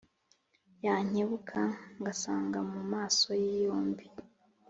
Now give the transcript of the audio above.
.Yankebuka ngasanga Mu maso ye yombi